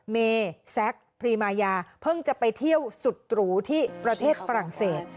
เมแซคพรีมายาเพิ่งจะไปเที่ยวสุดหรูที่ประเทศฝรั่งเศส